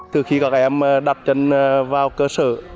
từ khi các em đặt trình vào cơ sở